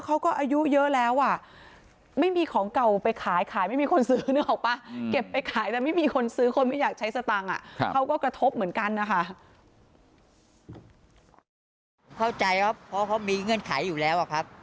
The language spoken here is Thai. เข้าใจเพราะเขามีเงื่อนไขอยู่แล้วครับ